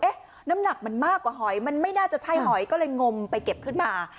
น้ำหนักมันมากกว่าหอยมันไม่น่าจะใช่หอยก็เลยงมไปเก็บขึ้นมา